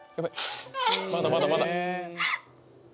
まだまだまだ！